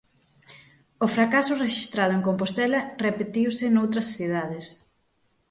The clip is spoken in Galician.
O fracaso rexistrado en Compostela repetiuse noutras cidades.